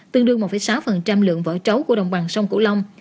tương đương một sáu lượng vỏ trấu của đồng bằng sông cửu long